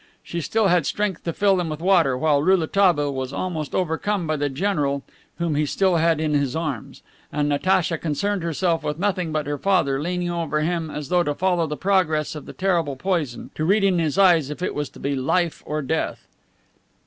She still had strength to fill them with water, while Rouletabille was almost overcome by the general, whom he still had in his arms, and Natacha concerned herself with nothing but her father, leaning over him as though to follow the progress of the terrible poison, to read in his eyes if it was to be life or death.